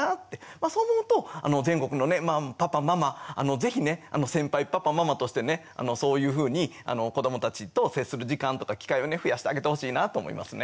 そう思うと全国のパパママ是非ね先輩パパママとしてねそういうふうに子どもたちと接する時間とか機会を増やしてあげてほしいなと思いますね。